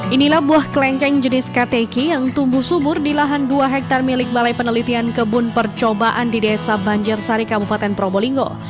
inilah buah kelengkeng jenis kateki yang tumbuh subur di lahan dua hektare milik balai penelitian kebun percobaan di desa banjarsari kabupaten probolinggo